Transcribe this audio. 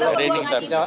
jadi ini saat ini